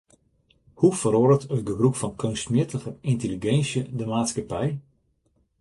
Hoe feroaret it gebrûk fan keunstmjittige yntelliginsje de maatskippij?